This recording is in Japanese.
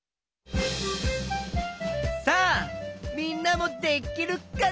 さあみんなもできるかな？